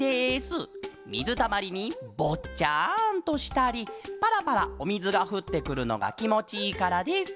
みずたまりにぼっちゃんとしたりパラパラおみずがふってくるのがきもちいいからです。